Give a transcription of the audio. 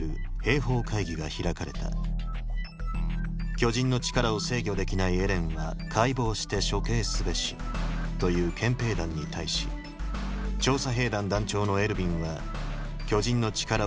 巨人の力を制御できないエレンは解剖して処刑すべしという憲兵団に対し調査兵団団長のエルヴィンは巨人の力を利用して領地の奪還を主張。